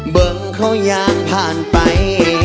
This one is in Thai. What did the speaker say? เบิ่งเขายางผ่านไป